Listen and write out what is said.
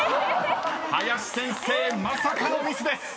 ［林先生まさかのミスです］